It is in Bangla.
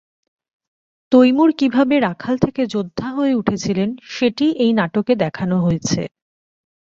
তৈমুর কিভাবে রাখাল থেকে যোদ্ধা হয়ে উঠেছিলেন, সেটিই এই নাটকে দেখানো হয়েছে।